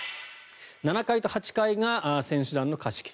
７階と８階が選手団の貸し切り。